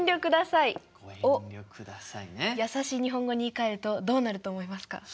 ドン。をやさしい日本語に言いかえるとどうなると思いますか？